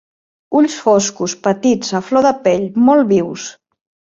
Ulls foscos, petits, a flor de pell, molt vius.